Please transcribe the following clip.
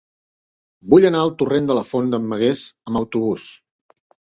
Vull anar al torrent de la Font d'en Magués amb autobús.